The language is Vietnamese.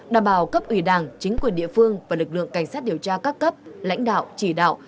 đảm bảo cấp ủy đảng chính quyền địa phương và lực lượng cảnh sát điều tra các cấp lãnh đạo chỉ đạo